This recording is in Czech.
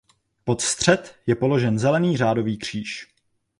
Pod střed je položen zelený řádový kříž.